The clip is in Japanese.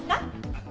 あっ！